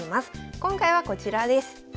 今回はこちらです。